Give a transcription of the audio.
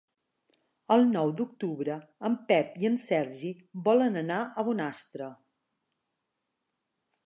El nou d'octubre en Pep i en Sergi volen anar a Bonastre.